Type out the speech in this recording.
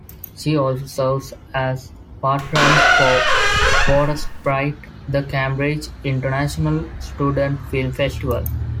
She also serves as patron for Watersprite: The Cambridge International Student Film Festival.